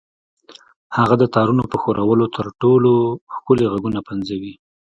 هغه د تارونو په ښورولو تر ټولو ښکلي غږونه پنځوي